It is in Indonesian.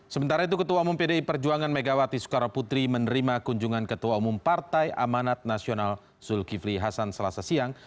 sementara itu ketua umum pdi perjuangan megawati soekarno putri menerima kunjungan ketua umum partai amanat nasional zulkifli hasan selasa siang